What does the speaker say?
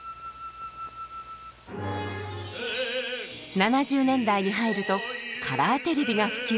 ７０年代に入るとカラーテレビが普及。